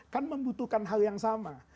kan membutuhkan hal yang sama